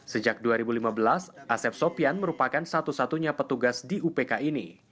sejak dua ribu lima belas asep sopian merupakan satu satunya petugas di upk ini